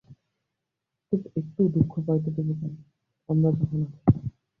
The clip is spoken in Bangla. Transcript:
কিন্তু একটুও দুঃখ পাইতে দিব কেন, আমরা যখন আছি।